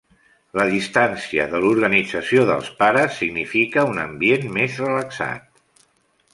La distància de l'organització dels pares significa un ambient més relaxat.